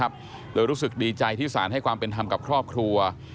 รู้สึกดีใจที่สารให้ความเป็นธรรมกับครอบครัว